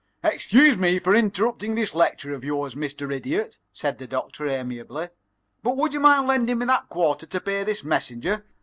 "Excuse me for interrupting this lecture of yours, Mr. Idiot," said the Doctor, amiably, "but would you mind lending me that quarter to pay this messenger?